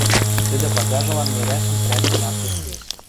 Тӹдӹ патяжылан нерӓшӹм прӓжтен ак керд лиэш.